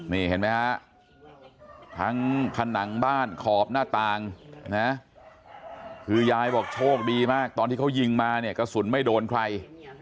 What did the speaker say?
นี่เห็นไหมฮะทั้งผนังบ้านขอบหน้าต่างนะคือยายบอกโชคดีมากตอนที่เขายิงมาเนี่ยกระสุนไม่โดนใคร